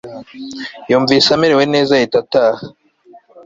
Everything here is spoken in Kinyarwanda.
yumvise amerewe neza ahita ataha